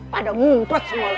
pada mumpet semua lu